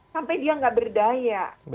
sampai dia nggak berdaya